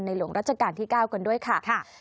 หลวงรัชกาลที่๙กันด้วยค่ะ